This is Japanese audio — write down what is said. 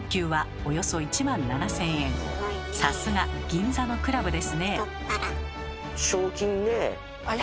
さすが銀座のクラブですね！